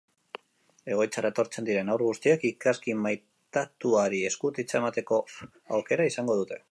Egoitzara etortzen diren haur guztiek ikazkin maitatuari eskutitza emateko aukera izango dute.